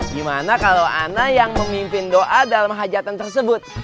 gimana kalau ana yang memimpin doa dalam hajatan tersebut